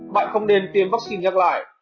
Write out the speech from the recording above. bạn không nên tiêm vaccine nhắc lại